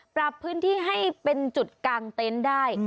ปรับพื้นที่ให้เป็นจุดกลางเต็นต์ได้